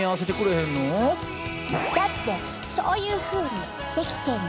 だってそういうふうに出来てんの！